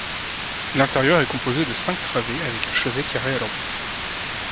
L'intérieur est composé de cinq travées avec un chevet carré à leur bout.